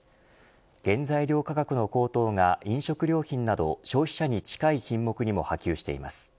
原材料価格の高騰が飲食料品など消費者に近い品目にも波及しています。